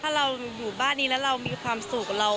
ถ้าเราอยู่บ้านนี้แล้วเรามีความสุขกับเรา